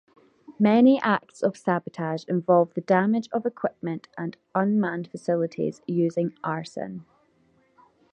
Many acts of sabotage involve the damage of equipment and unmanned facilities using arson.